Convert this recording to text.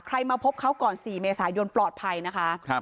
มาพบเขาก่อน๔เมษายนปลอดภัยนะคะ